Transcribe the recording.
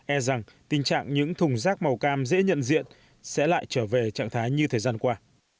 e rằng tình trạng những thùng rác màu cam dễ nhận diện sẽ lại trở về trạng thái như thời gian qua